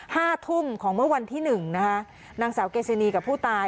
ห้าทุ่มของเมื่อวันที่หนึ่งนะคะนางสาวเกซินีกับผู้ตาย